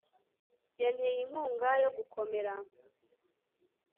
yanteye inkunga yo gukomera